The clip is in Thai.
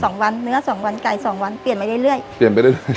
สองวันเนื้อสองวันไก่สองวันเปลี่ยนไปเรื่อยเรื่อยเปลี่ยนไปเรื่อย